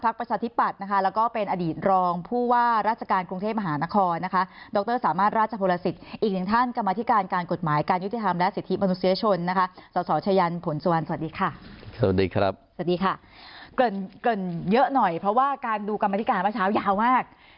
เกิดเยอะหน่อยเพราะว่าการดูกรมธิการเมื่อเช้ายาวมาก